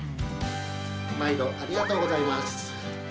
まいどありがとうございます。